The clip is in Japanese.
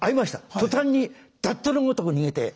途端に脱兎のごとく逃げて。